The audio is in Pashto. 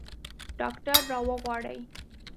ډاکټر راوغواړئ